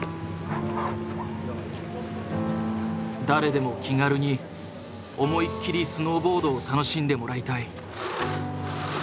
誰でも気軽に思いっきりスノーボードを楽しんでもらいたい。